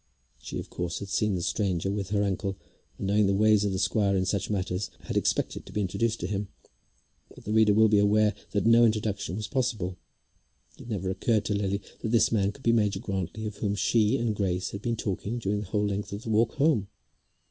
She of course had seen the stranger with her uncle, and knowing the ways of the squire in such matters had expected to be introduced to him. But the reader will be aware that no introduction was possible. It never occurred to Lily that this man could be the Major Grantly of whom she and Grace had been talking during the whole length of the walk home.